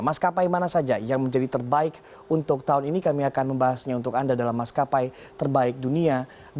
maskapai mana saja yang menjadi terbaik untuk tahun ini kami akan membahasnya untuk anda dalam maskapai terbaik dunia dua ribu delapan belas